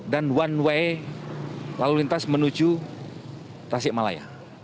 dan one way lalu lintas menuju tasik malaya